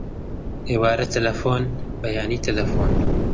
ئێوارە تەلەفۆن، بەیانی تەلەفۆن